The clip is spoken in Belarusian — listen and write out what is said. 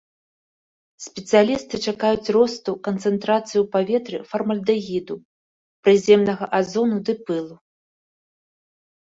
Спецыялісты чакаюць росту канцэнтрацыі ў паветры фармальдэгіду, прыземнага азону ды пылу.